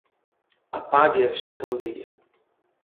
Apague esta candeia